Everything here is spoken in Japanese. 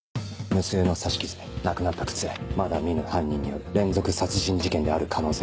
無数の刺し傷なくなった靴まだ見ぬ犯人による連続殺人事件である可能性があります。